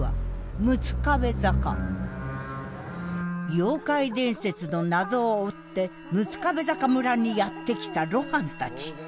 妖怪伝説の謎を追って六壁坂村にやって来た露伴たち。